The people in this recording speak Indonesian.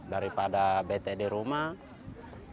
daripada bete di rumah